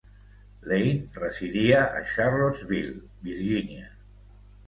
Lane residia a Charlottesville, Virginia.